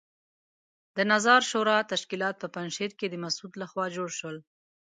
د نظار شورا تشکیلات په پنجشیر کې د مسعود لخوا جوړ شول.